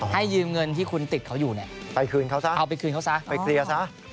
ยืมเงินที่คุณติดเขาอยู่ไปคืนเขาซะเอาไปคืนเขาซะไปเคลียร์ซะ